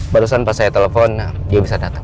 barusan pas saya telepon dia bisa datang